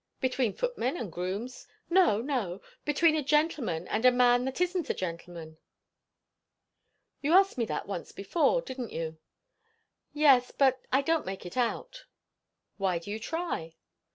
"Between footmen and grooms?" "No, no; between a gentleman and a man that isn't a gentleman?" "You asked me that once before, didn't you?" "Yes; but I don't make it out." "Why do you try?"